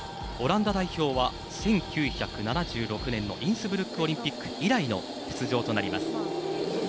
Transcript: オランダ代表は１９７６年のインスブルックオリンピック以来の出場となります。